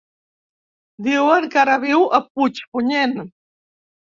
Diuen que ara viu a Puigpunyent.